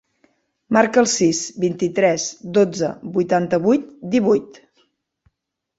Marca el sis, vint-i-tres, dotze, vuitanta-vuit, divuit.